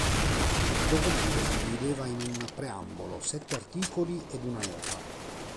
Il documento si divideva in un preambolo, sette articoli ed una nota.